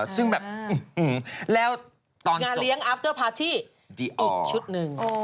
ซึ่งแบบอื้มแล้วตอนตกงานเลี้ยงอาฟเตอร์พาร์ตี้อีกชุดนึง